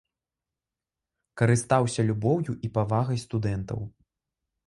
Карыстаўся любоўю і павагай студэнтаў.